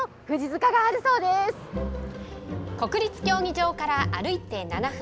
国立競技場から歩いて７分。